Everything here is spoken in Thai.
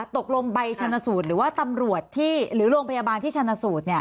ตกลงใบชนสูตรหรือว่าตำรวจที่หรือโรงพยาบาลที่ชนะสูตร